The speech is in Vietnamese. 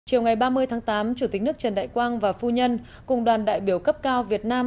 chiều ngày ba mươi tháng tám chủ tịch nước trần đại quang và phu nhân cùng đoàn đại biểu cấp cao việt nam